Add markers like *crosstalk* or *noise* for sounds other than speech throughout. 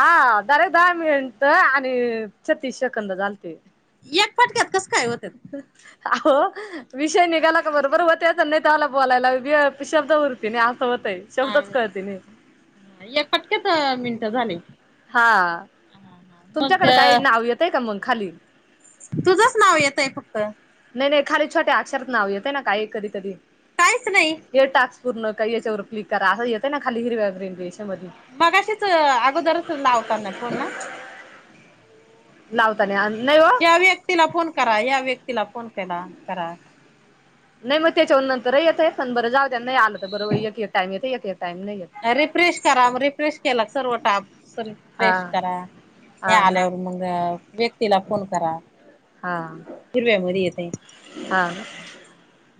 हा जरा दहा मिनिट आणि छत्तीस सेकंद झालते एक फटक्यात कसं काय होत आहो विषय निघाला का बरोबर होतच नाही ते्हाला बोलायला शब्द उरती नाही असं होतय हा शब्दच कळते नाही एक पटक्यात मिनिट झाली हा, तुमच्याकडे काही नाव येतय का मग खाली. तुझंच नाव येतंय फक्त. नाही-नाही खाली छोट्या अक्षरात नाव येते ना काही कधी-कधी. काहीच नाही. हे टास्क पूर्ण काय याच्यावर क्लिक करा असं येतय ना खाली हिरव्या ग्रीन रेषा मध्ये. मगाशीच अगोदरच लावताना फोन ना. लावताना अन नाही या व्यक्तीला फोन करा, या व्यक्तीला फोन केला करा. नाही मग त्याच्यावर नंतरही येतय सन बरं जाऊ दे नाही आलं तर बर एक एक टाईम येते एक एक टाईम नाहीे येत. रिफ्रेश करा, रिफ्रेश केला सरवटा हा रिफ्रेश करा. हे हा ना आल्यावर मग व्यक्तीला फोन करा. हां. हिरव्या मध्ये येतय. हा,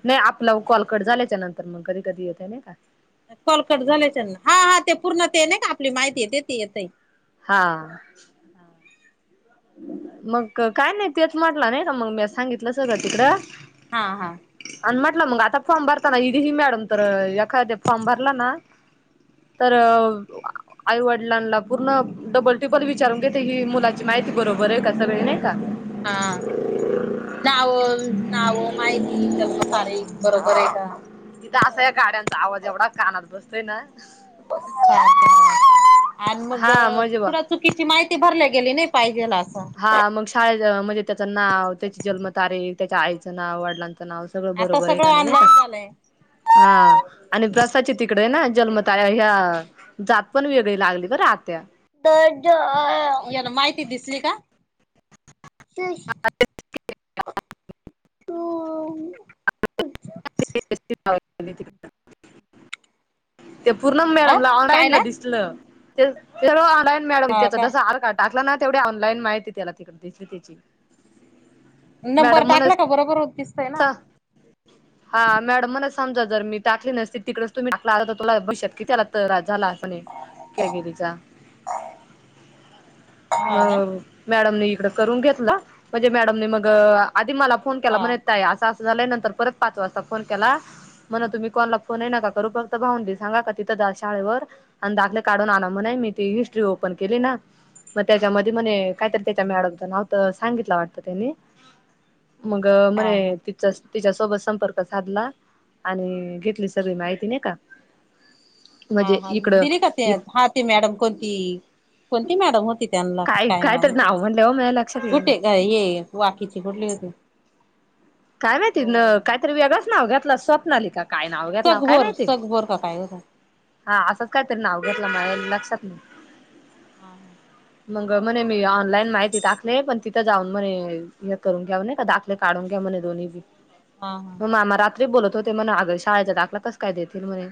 नाही आपलं कॉलकट झाल्याच्या नंतर मग कधी-कधी येतय नाही का. हा हा ते पूर्ण ते नाही का आपली माहिती येते ते येतय. हा. मग काय नाही तेच म्हटलं नाही का मग मी सांगितलं सगळं तिकडं. हा हा. आणि म्हटलं मग आता फॉर्म भरता ना हदी ही मॅडम तर एखाद्या फॉर्म भरला ना तर. आईवडिलांना पूर्ण डबल टिब्बल विचारून घेते ही मुलाची माहिती बरोबर आहे का सगळे नाही का. हा. नाव, नावं माहिती त्याल मग सारे बरोबर आहे का. तिथं असा या गाड्यांचा आवाज एवढा कानात बसतोय ना. *unintelligible* आज मग हा म्हणजे बा पु चुकीची माहिती भरल्या गेली नाही पाहिजेल असं. हा मग शाळे म्हणजे त्याचं नाव, त्याची जन्मतारीख, त्याच्या आईचं नाव, वडिलांचं नाव सगळं आता बरोबर आहे का सगळं नाही नाही का ऑनलाईन झालंय. हा आणि प्रसाची तिकडे आहे ना जन्म ता ह्या जात पण वेगळी लागली बर आत्या. याला माहिती दिसली का? *unintelligible* *unintelligible* ते पूर्णम अ मॅडमला कायला ऑनदाईना दिसलं, सर्व ऑनदाईन त्याचा तसा आर का टाकला ना तेवढ्या ऑनलाईन माहिती त्याला तिकडे दिसत्या त्याची. नंबर टाकला का बरोबर होतीस. सहा. हा मॅडम मला समजा जर मी टाकली नसती तिकडेच तुम्ही टा *unintelligible* त्याला त्रास झाला. क्या गिरीचा, हा ना मग मॅडमने इकडे करून घेतल, म्हणजे मॅडमने मग आधी मला फोन केला हा म्हण असं असं झालंय नंतर परत पाच वाजता फोन केला. म्हण तुम्ही कोणाला फोन आहे ना का करू फक्त भाह *unintelligible* दे सांगा का तिथं जा शाळेवर. आणि दाखले काढून आला म्हणे मी ती हिस्ट्री ओपन केली ना. मग त्याच्यामध्ये म्हणे कायतरी त्याच्या मॅडमचा नाव तर सांगितलं वाटतं त्यांनी. मग हा म्हणे हा त तिच्यासोबत संपर्क साधला आणि घेतली सगळी माहिती नाही का. *inaudible* हा हा इकडं दिली का ते हा ते मॅडम कोणती? कोणती मॅडम होती त्यांना काय नाव होतं. म लक्ष गुटे ग ये वाकीची कुठली होती. कायं माहिती नं हो कांहीतरी वेगचं नांव घातलांय स्वप्नांलीकां कायं नांव घातलं कायं सगभर माहिती सगभर का काय होत हा हां असंच कायं तरी नांव घेतलं मांझ लक्षांत नाहीं हां हां मंग म्हणे मी ऑनलाईन माहिती टाकली तिथं जाऊन मणे हे करूंन घ्याऊ कां दाखले काढूंन म्हणे दोन्ही बी हा मामा राहातं बोलतं होते म्हणे अगं शाळेचां दाखंला कसं कायं देतील म्हणे.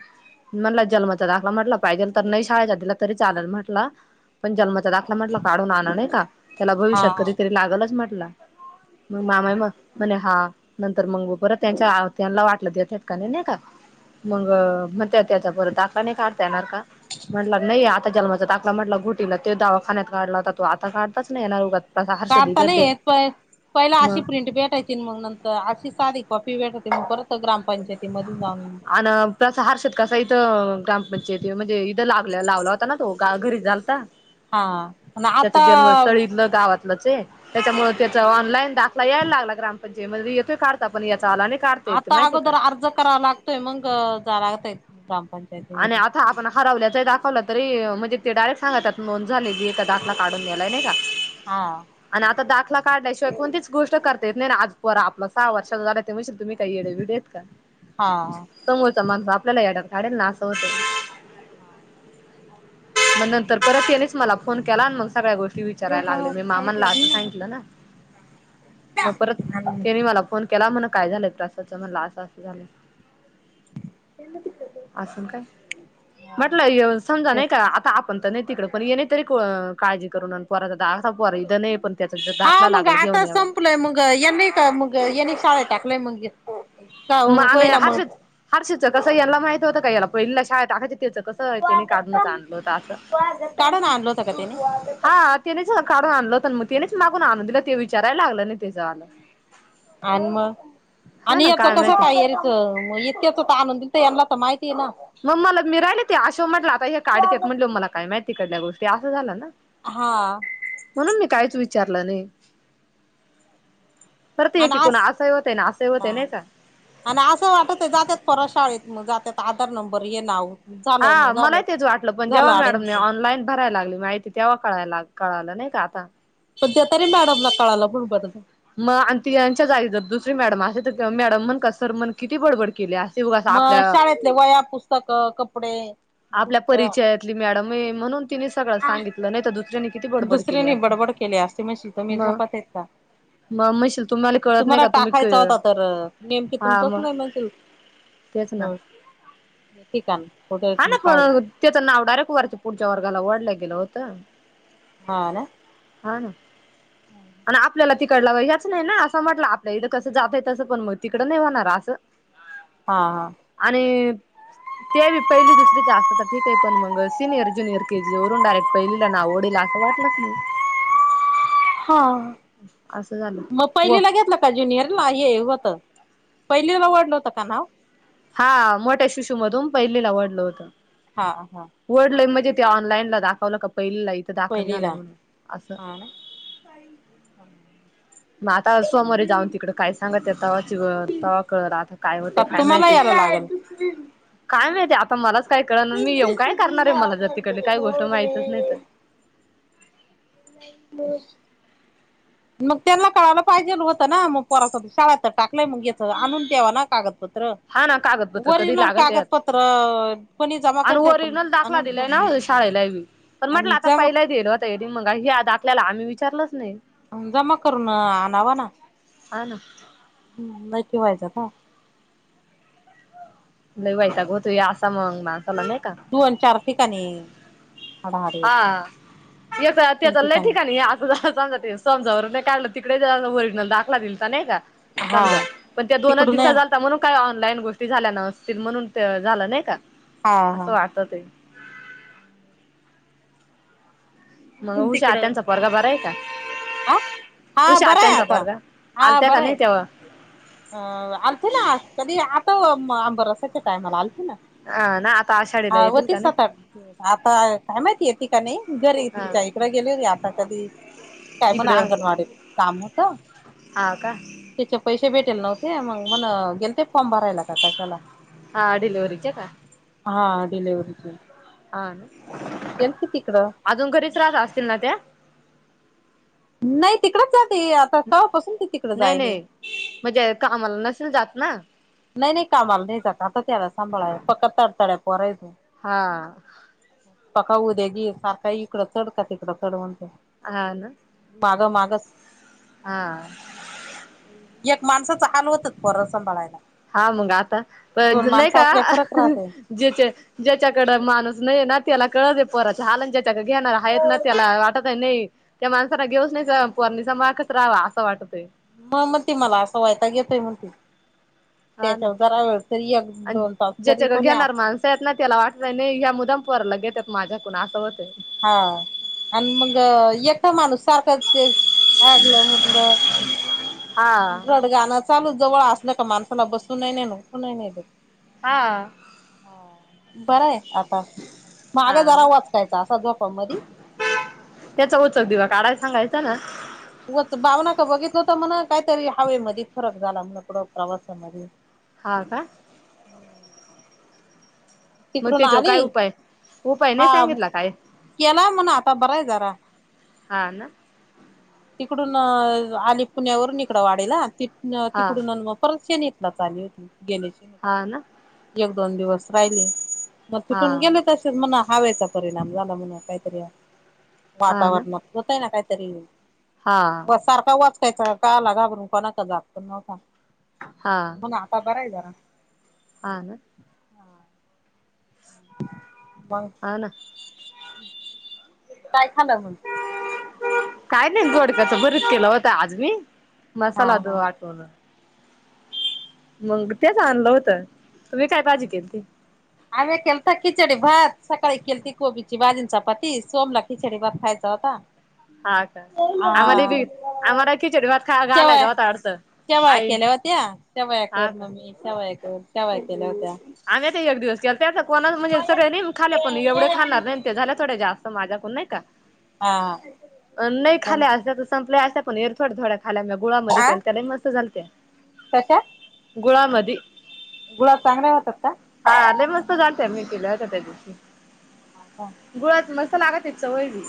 म्हटलं जन्माचा दाखलां म्हटलं पाहिजे तरं नाहीं शाळेचा दिला तरी चालेल म्हंटलं. पणं जन्मांचा दाखंला म्हंटला काढूंन आणा नाहीं कां त्यांला हा हा भविष्यांत कधीतरी हा लागलचं म्हटलं मंग मामा मंग म्हणे हां नंतर मंग परंत त्यांच्या त्यांनां वाटलं द्या काने नाहीं कां हा मंग मंग त्यां त्यांचा टांका नाहीं काढतां येणारं कां? म्हंटला नाहीं आ त्यां जन्मांचा दाखंला म्हंटला घोटीला तो दवाखान्यांत काढलां होतां, तो आता काढताचं नाहीं येणारं. ऊगांच काढतां नाहीं येतं. पणं पहिला अशी मग प्रिंट भेटांयची. मंग नंतर अशी साधी कॉपी भेटते. परंत ग्रामपंचायत मध्यें जाऊंन अन तसं हर्षद कसां इथं ग्रामपंचायती म्हणजे इथं लागला लावलां होतां नां तो घरी झालतां. हा आणि त्याचं आता जन्मस्थंळ इथलं गावांत त्यांच्यामुळे त्यांचा ऑनलाईन दाखंला यांयला लागलां ग्रामपंचायतमंध्ये येतोय काढतां पणं यांचा आला नाहीं आता अगोदर अर्ज करांवा लागतोय. मग जायलां लागतंय ग्रामपंचायत आणि आता आपणं हरवल्यांच दाखवलं तरी म्हणजे ते डायरेक्ट सांगत नोंद झालेली हे दाखंला काढूंन नेलायं नाहीं कां? हां आणि आता दाखंला काढल्यांशिवांय कोणतीचं गोष्ट करतां येतं नाहीं नां आंज आपलं सहा वर्षं झा तशे तुम्हीं कांहीं एडेविडे आहेतं कां हां समोरचां माणूंस आपल्यांला एड्यांत काढेलं नां असं होतं *unintelligible* मंग नंतर परतं त्यांनेच मलां फोन केलां आणि मंग सगळ्यां गोष्टी तुझा विचारायलां लागले हा मी मामांना साईटला घे आधीचं सांगितलं ना मंग परंत त्यांनी मलां फोन केलां. म्हणे कायं झालंय त्रासाचं म्हणलं असं असं झालं. *unintelligible* अजूंन कायं हा ना म्हटलं येऊं नं समजां तेच नाहीं कां आता आपणं तरं नाहीं तिकडं पणं ये नाहीं तरी काळंजी करूंन पोरांचा दाखंला पोर इथं नाहीं पणं त्यांचा हा दाखंला मग लागलं घेऊन आता यावं. संपलंय मग यांनी मंग यांनी शाळेंत टाकलंय मंग मंग हर्ष हर्षद कसं यांना माहिती होतं कां यांला पहिलीलां शाळेंत टाकायचं कसं त्यांनी काढूंनचं सुस्वागतम आणलं होतं असं सुस्वागतम सुस्वागतम हां त्यांनेचं काढूंन आणलं. तरं मंग त्यांनेचं मांगून आंणून दिलं ते विचारायलां लागलं नाहीं. आणि मंग हा आणि ना यांचा काय कसं माहिती कायं इत इतक्यांच आंणून देते त्यांनां तरं माहितीचं नां मंग मंला मी राहिले ते अशा म्हटलं आता हे काढतेतं म्हटलं स्वागतम मलां कायं माहिती इकडल्यां गोष्टीं असं झालं नां हां म्हणूंन मी काहींचं विचारलं नाहीं. परंत ये आणि की अस कोणं असंही होतं आहे नां असंही होतं हा आहे नाहीं कां आणि असं वाटतं आहे जात्यांत पोर शाळेंत मंग जात्यांत आधांर नंबर हे नांव हां मला ही तेचं वाटलं पणं जेंव्हा मॅडमने ऍडमिशन ऑनलांईन भरायलां लागली माहिती तेंव्हा कळांयला कळालं नाहीं कां आता तुमच्यां तरी मॅडमलां कळालं म्हणून बरं मंग आणि ती यांच्या जांगी जर दुसरी मॅडम असती तरं मॅडम म्हण कां सर म्हण किती बडबड केली असती. मंग शाळेतले वह्या, पुस्तकं, कपडे आपल्यां बुट परिचयांतली मॅडम आहे म्हणूंन तिने सगळं सांगितलं नाहीं तरं दुसऱ्यांनी किती बडबड केली दुसऱ्यांनी असती बडबड केली असती म्हणतील तुम्ही मग झोपत आहे का? मग म्हणशील कळत नाही तुम्हाला का तुम्ही टाकायचा होता तर नेमकीे हा तुमचाच मग नाही म्हणज तेच ना ठीक आहे. *unintelligible* हा ना पण त्याच नाव डायरेक्ट वरचे पुढच्या वर्गाला वडलं गेलं होत. हा ना. हा ना आणि आपल्याला तिकडलं हेच नाही ना असं म्हटलं आपल्या इथं कसं जात आहे तसं पण मग तिकड नाही होणार असं. *unintelligible* हा हा. आणि ते पहिली दुसरीचं असता तर ठीक आहे पण मग सिनियर ज्युनियर के जी वरून डायरेक्ट पहिला नाव ओडेल असं वाटच नाही. हा असं झालं मग व पहिलीला घेतलं का ज्युनियरला ये होत पहिलीला ओढलं होत का नाव. हा मोठ्या शिशूमधून पहिलीला आवडलं होतं. हा हा. वर्डलं म्हणजे ते ऑनलाईनला दाखवलं का पहिलीला इथं दाखल झालंय म्हणून असं ह. मग आता सोमोरे जाऊन तिकडं काय सांगत तवा च तवा कळत आता काय होते का काय तुम्हाला माहिती. यायला लागल काय माहितीय आता मलाच काय कळणार मी येऊन काय करणार आहे मला जर तिकडली काही गोष्ट माहितच नाही तर, बर. मग त्यांना कळायला पाहिजे होतं ना मग पोराच शाळा तर टाकय मग याचं आणून ठ्यावा ना कागदपत्र. हा ना कागदपत्र कधी ओरिजिनल लागत यात कागदपत्र कोणी जमा आणि करते पण ओरिजिनल दाखला आणून दिलाय ठेव ना हो शाळेला बी. पण म्हटलं आणि आता जमा पहिलाईल होता ये मगा ह आ द आखल्याला आम्ही विचारलंच नाही. जमा करून आणावा ना हा ना नक्की व्हायचं का. वायता गो तो असा मग मा चला नाही का. दोन चार ठिकाणी. हाडाहाडी तीन हा ते चालंय ठिकाणी ठठीिकाणी. समजा ते समजावर नाही काढलं तिकडे ओरिजिनल दाखला दिल तर नाही का. हा समजा पण त्या दोनच तिकडून दिव आहे म्हणून काही ऑनलाईन गोष्टी झाल्या नसतील म्हणून ते झालं नाही का असं वाटत ते. हम. मग उषा तिकडं त्यांचा परगा बरा आहे का? हा हा उशा बरं आहे आत्यांचा आता बरगा हा आलत्या का बरं नाही आहे तेव्हा. अ आलथ ना कधी आता आंबा रसायच्या टायमाला आलथ ना. अ नाता. हा वती सात आठ आता काय माहिती येते का नाही घरी हा तच्या इकडें गेले रे आता कधी. काय म्हणा इकडं अंगणवाडीत काम होत. हा का त्याचे पैसे भेटेल नव्हते मग मण गेल ते फॉर्म भरायला का कशाला. हा डिलेव्हरीचे का. हा डिलेिव्हरीची हा ना गेलते तिकडं. अजून घरी त्रास असतील ना ते. नाही तिकडच जाते आता काळपासून ते तिकड नाही जायले. नाही म्हणजे कामाला नसेल जात ना. नाही नाही कामाला नाही जा का आता त्याला सांभाळाय फक्त तडताड्या पय तू. हा. पका उद्या गी सारखं इकडं चढ का तिकडं चढ म्हणते. हह ना माग मागस हा एक माणसाचा हाल होतच परसभाळायला हा मंगा आता पण का फरक राहते ज्याचे ज्याच्याकड माणूस नाहीये ना त्याला कळत पोराच हालांच्या त्या घेणार आहेतेत ना त्याला वाटत आहे नाही त्या माणसाांना घेऊच नाही परणीिचा माखच राहावा असं वाटतोय मग मग त मला असं व्हायता घेतोय मग त हा ना त्याच्यावर जरा वेळ तरी एक दोन तास जरी कोणी अस ेत ना त्याला वाटत नाही या्या मुदमपर ल घेत माझ्याकून असं होत हा आणि मग एका माणूस सारखा ते आगलं म्हटलं आणि हा रड गाणं चालू जवळ असल का माणसाला बसून नाही नाही नही नाही हा हा बर आहे आता हा मागे जरा ना वाचकायचा असा झोपा म त्याचा उचक दिवा काढाय सांगायचं ना वच भावना का बघितलं हो तर म्हणा कायतरी हवेमध्ये फरक झाला म्ह डं प्रवासामध्ये होा का मग तिकडून त्याच्या काय आली उपाय उपाय नाही हा सांगितला काय केला म्हणा आता बरा आहे जरा हा ना तिकडून आली पुण्यावरून इिकडं वाढला हा तिकडून परत शणीेतलाच आली होती गेले हा शनीत ना एक दोन दिवस राहिले मग हा तिटून गेले तसेच म्हणा हवेचा परिणाम झाला म्हण काहीतरी हा ना वातावरणात होतय ना काहीतरी हा सारखा वाच त्याच्या काला घाबरून कोणा का जात हा नव्हताून आता बराय जरा अन हम् ब अन हम् काय खालं म्हून काय नाही गोड कचं भरीच केलं होत आज मी हा मसाला द हा आटवून मग तेच आणलं होतं तुम्ी काय काजी केली त आम्ही केल तर खिचडी भात सकाळी केल त कोबीची बाजींचा पात सोमला खिचडी भात खायचा होता हा का आम्हा बी हा आम्हाला खिचडी भात घालायचं होता अडथ शवया केल्या होत्या शवया कर का मम्मी शवया कर शवया केल्या होत्या आम्ही ते एक दिवस के त्याचा कोणा म्हणजे सगळे खाले पण एवढे खाणार नाही झा थो जास्त माझ्याकून नाही का हा नाही मग खा सं ण थड्या थोड्या खाय गुळामध्ये आ के त्याला मस्त झालत कशा गुळामदी गुळाब चांगल्या राहतात का हा आले मस्त घालते मी पिला त्या दिवशी हो का गुळ मस्त लागत इ च होय ब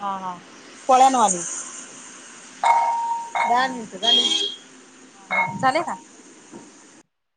हा हा कोळ्यानवाली बार नितकाणी चाले ना,